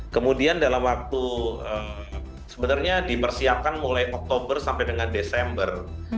kemudian dalam waktu sebenarnya dipersiapkan mulai oktober sampai dengan desember